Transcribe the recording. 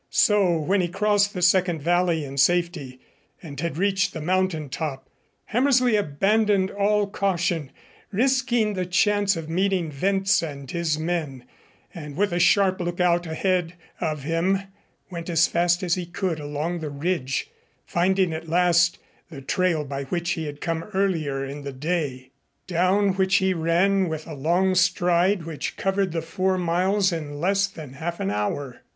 So when he crossed the second valley in safety and had reached the mountaintop, Hammersley abandoned all caution, risking the chance of meeting Wentz and his men, and with a sharp lookout ahead of him went as fast as he could along the ridge, finding at last the trail by which he had come earlier in the day, down which he ran with a long stride which covered the four miles in less than half an hour.